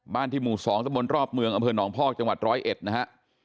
บ้านที่หมู่๒ตะบลรอบเมืองอเภิญหนองพอกจังหวัด๑๐๑นะฮะ